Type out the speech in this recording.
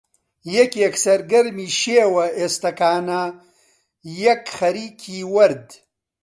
یەکێک سەرگەرمی شێوە ئێستەکانە، یەک خەریکی وەرد